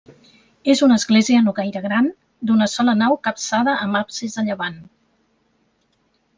És una església no gaire gran, d'una sola nau capçada amb absis a llevant.